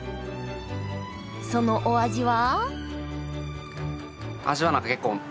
そのお味は？